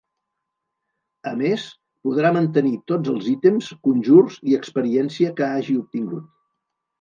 A més, podrà mantenir tots els ítems, conjurs i experiència que hagi obtingut.